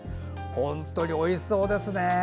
本当においしそうですね。